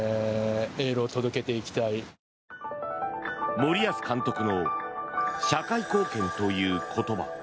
森保監督の社会貢献という言葉。